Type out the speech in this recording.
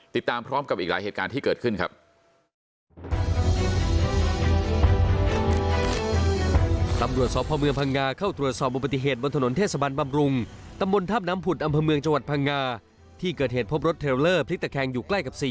ติดตามพร้อมกับอีกหลายเหตุการณ์ที่เกิดขึ้นครับ